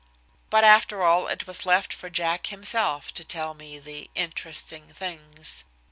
But, after all, it was left for Jack himself to tell me the "interesting things."